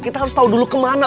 kita harus tahu dulu kemana